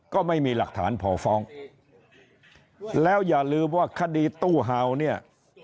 ก็ไม่มีหลักฐานพอฟ้องแล้วอย่าลืมว่าคดีตู้เห่าเนี่ย